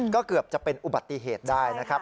ก็เกือบจะเป็นอุบัติเหตุได้นะครับ